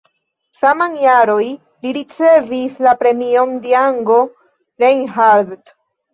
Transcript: Saman jaroj li ricevis la Premion Django Reinhardt.